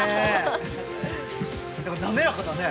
滑らかだね。